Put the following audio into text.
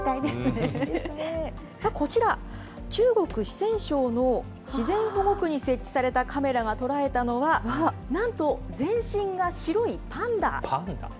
さあ、こちら、中国・四川省の自然保護区に設置されたカメラが捉えたのは、なんと全身が白いパンダ。